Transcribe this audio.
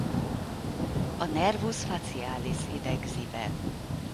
A nervus facialis idegzi be.